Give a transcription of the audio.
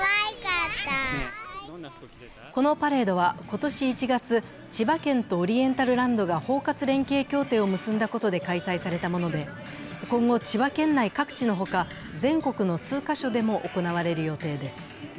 このパレードは今年１月、千葉県とオリエンタルランドが包括連携協定を結んだことで開催されたもので今後千葉県内各地のほか、全国の数か所でも行われる予定です。